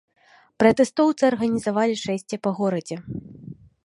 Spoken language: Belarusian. Пратэстоўцы арганізавалі шэсце па горадзе.